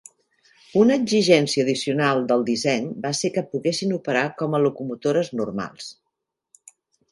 Una exigència addicional del disseny va ser que poguessin operar com locomotores normals.